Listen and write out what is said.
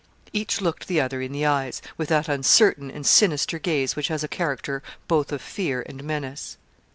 Each looked the other in the eyes, with that uncertain and sinister gaze which has a character both of fear and menace.